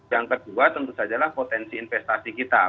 yang kedua tentu sajalah potensi investasi kita